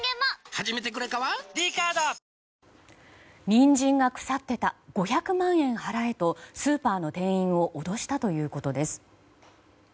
ニンジンが腐ってた５００万円払えとスーパーの店員を脅したということです。